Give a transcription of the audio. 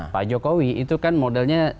pak jokowi itu kan modelnya